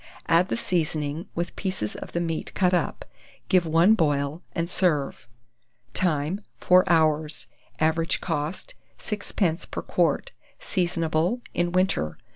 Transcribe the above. Add the seasoning, with pieces of the meat cut up; give one boil, and serve. Time. 4 hours. Average cost, 6d. per quart. Seasonable in winter.